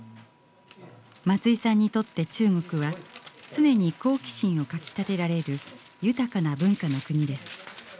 松居さんにとって中国は常に好奇心をかきたてられる豊かな文化の国です。